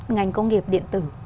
ngành công nghiệp điện tử